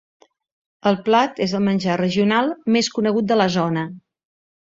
El plat és el menjar regional més conegut de la zona.